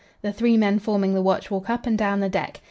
The three men forming the watch walk up and down the deck.